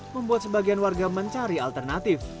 membuat sebagian warga mencari alternatif